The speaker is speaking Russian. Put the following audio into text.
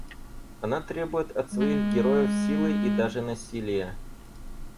Она требует от своих героев силы и даже насилия.